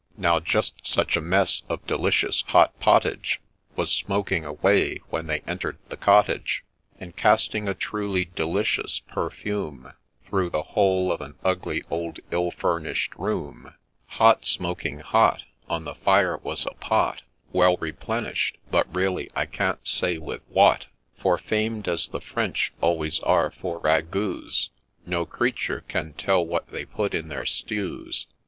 Now just such a mess of delicious hot pottage Was smoking away when they enter'd the cottage, And casting a truly delicious perfume Through the whole of an ugly, old, ill furnish'd room ;' Hot, smoking hot,' On the fire was a pot Well replenish'd, but really I can't say with what ; For, famed as the French always are for ragouts, No creature can tell what they put in their stews.